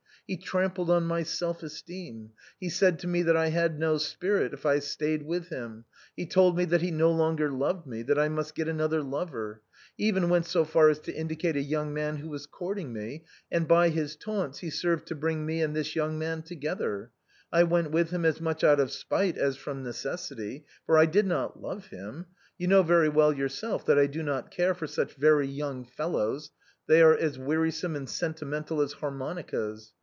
He trampled on my self esteem ; he said to me that I had no spirit if I stayed with him; he told me that he no longer loved me; that I must get another lover ; he even went so far as to indicate a young man who was courting me, and by his taunts, he served to bring me and this young man together. I went with him as much out of spite as from necessity, for I did not love him; you know very well yourself that I do not care for such very young fellows ; they are as wearisome and senti mental as harmonicas.